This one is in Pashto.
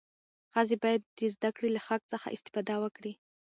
ښځې باید د زدهکړې له حق څخه استفاده وکړي.